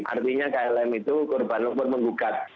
artinya klm itu korban lumpur menggugat